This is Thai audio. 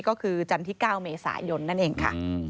ก็คือจันทร์ที่๙เมษายนนั่นเองค่ะ